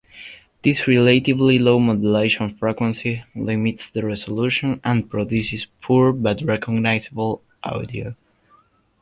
This relatively low modulation frequency limits the resolution and produces poor but recognizable audio.